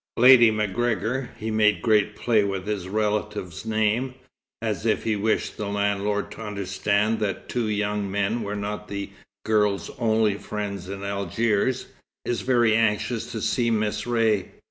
Lady MacGregor" (he made great play with his relative's name, as if he wished the landlord to understand that two young men were not the girl's only friends in Algiers) "is very anxious to see Miss Ray.